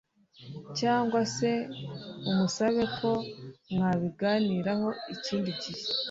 cyangwa se umusabe ko mwabiganiraho ikindi gihe.